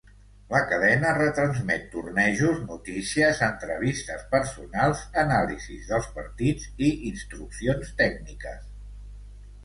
La cadena retransmet tornejos, notícies, entrevistes personals, anàlisis dels partits i instruccions tècniques.